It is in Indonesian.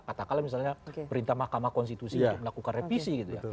katakanlah misalnya perintah mahkamah konstitusi untuk melakukan revisi gitu ya